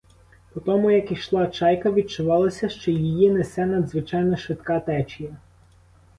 По тому, як ішла чайка, відчувалося, що її несе надзвичайно швидка течія.